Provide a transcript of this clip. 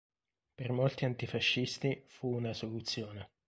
Per molti antifascisti fu una soluzione.